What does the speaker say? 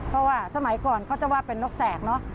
เพราะว่าสมัยก่อนเขาจะว่าเป็นนกแสกเนอะ